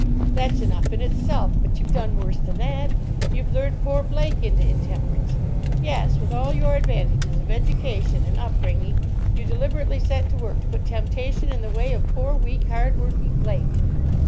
That's enough in itself. But you've done worse than that. You've lured poor Blake into intemperance. Yes, with all your advantages of education and up bringing, you deliberately set to work to put temptation in the way of poor, weak, hard working Blake.